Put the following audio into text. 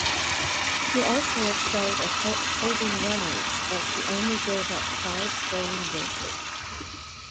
He also excelled at holding runners, as he only gave up five stolen bases.